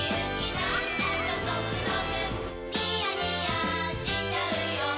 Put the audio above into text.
なんだかゾクゾクニヤニヤしちゃうよ